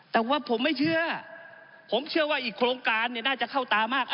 แต่ว่าผมไม่เชื่อผมเชื่อว่าอีกโครงการเนี่ยน่าจะเข้าตามาก